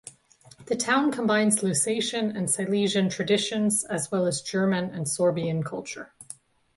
The town combines Lusatian and Silesian traditions as well as German and Sorbian culture.